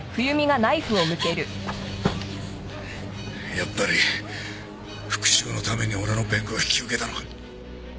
やっぱり復讐のために俺の弁護を引き受けたのか。